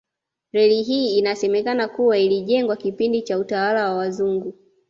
Reli hii inasemekana kuwa ilijengwa kipindi cha utawala wa wazungu